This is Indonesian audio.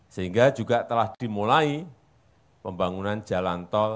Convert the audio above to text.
sehingga juga telah dimulai pembangunan jalan tol